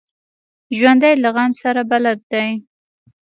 ژوندي له غم سره بلد دي